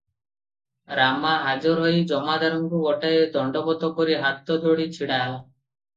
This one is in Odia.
ରାମା ହାଜର ହୋଇ ଜମାଦାରଙ୍କୁ ଗୋଟାଏ ଦଣ୍ଡବତ କରି ହାତ ଯୋଡି ଛିଡା ହେଲା ।